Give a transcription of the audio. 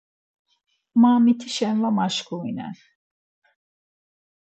Ma mitişe var maşǩurinen.